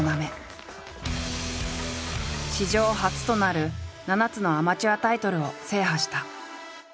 史上初となる７つのアマチュアタイトルを制覇した。